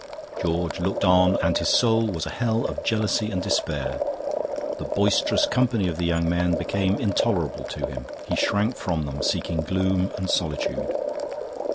George looked on, and his soul was a hell of jealousy and despair. The boisterous company of the young men became intolerable to him; he shrank from them, seeking gloom and solitude.